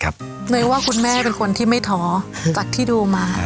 เนยว่าคุณแม่เป็นคนที่ไม่ท้อจากที่ดูมา